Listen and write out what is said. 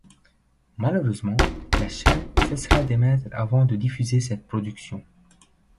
Malheureusement, la chaîne cessera d'émettre avant de diffuser cette production.